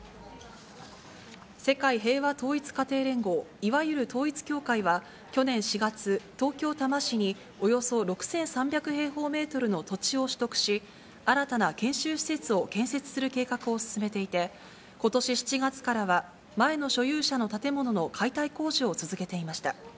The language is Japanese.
世界平和統一家庭連合、いわゆる統一教会は、去年４月、東京・多摩市に、およそ６３００平方メートルの土地を取得し、新たな研修施設を建設する計画を進めていて、ことし７月からは、前の所有者の建物の解体工事を続けていました。